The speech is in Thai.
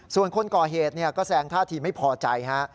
ส่วนคนก่อเหตุก็แซงท่าทีไม่พอใจฮะ